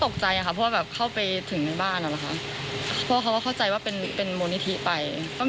ตกใจที่เข้าไปถึงบ้านเพราะเขาเข้าใจว่าเป็นมือนิธิไป